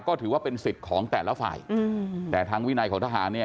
ก็ถือว่าเป็นสิทธิ์ของแต่ละฝ่ายอืมแต่ทางวินัยของทหารเนี่ย